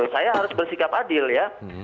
saya harus bersikap adil ya